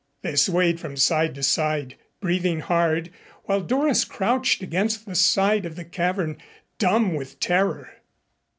They swayed from side to side, breathing hard, while Doris crouched against the side of the cavern, dumb with terror.